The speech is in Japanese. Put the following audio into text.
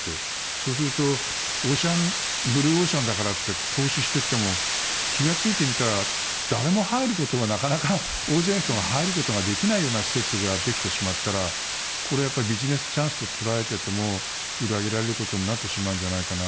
そうするとブルーオーシャンだからって投資していっても気がついてみたら誰も入ることがなかなか大勢の人が入ることができないような施設ができてしまったらこれはビジネスチャンスと捉えていても裏切られることになってしまうんじゃないかな。